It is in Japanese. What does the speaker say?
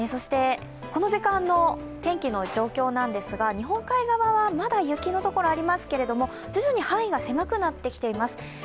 この時間の天気の状況なんですが、日本海側はまだ雪の所ありますけど、徐々に範囲が狭くなってきています。